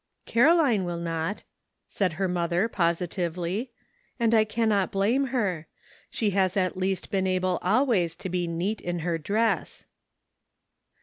"Caroline will not," said her mother posi sitively, "and I cannot blame her. She has 124 WAITING. at least been able always to be neat in her dress."